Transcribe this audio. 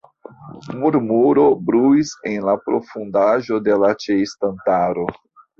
Murmuro bruis en la profundaĵo de la ĉeestantaro.